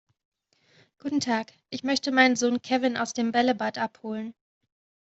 Guten Tag, ich möchte meinen Sohn Kevin aus dem Bällebad abholen.